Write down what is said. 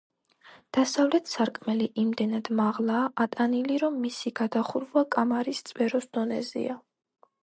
დასავლეთ სარკმელი იმდენად მაღლაა „ატანილი“, რომ მისი გადახურვა კამარის წვეროს დონეზეა.